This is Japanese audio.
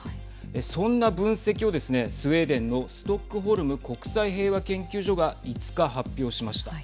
そんな分析をですねスウェーデンのストックホルム国際平和研究所が５日、発表しました。